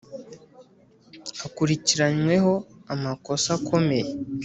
Akurikiranyweho amakosa akomeye.